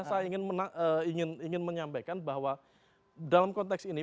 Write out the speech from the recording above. saya ingin menyampaikan bahwa dalam konteks ini